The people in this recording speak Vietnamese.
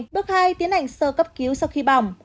bước hai tiến hành sơ cấp cứu sau khi bỏng